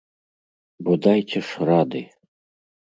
Бо дайце ж рады!